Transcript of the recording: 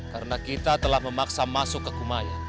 karena kita telah memaksa masuk ke kumaya